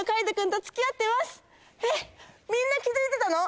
みんな気付いてたの？